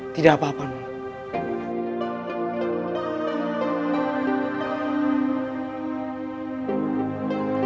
tidak apa apa nona